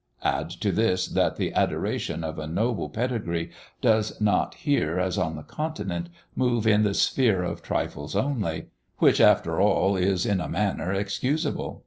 Add to this that the adoration of a noble pedigree does not here, as on the continent, move in the sphere of trifles only, which after all, is, in a manner, excusable.